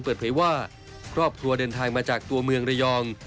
เปิดเผยว่าครอบครัวเดินทางมาจากตัวเมืองระยอง